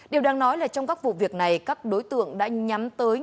điều đáng nói là trong các vụ việc này các đối tượng đã nhắm tới